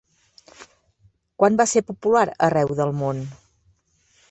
Quan va ser popular arreu del món?